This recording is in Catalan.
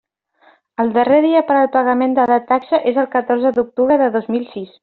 El darrer dia per al pagament de la taxa és el catorze d'octubre de dos mil sis.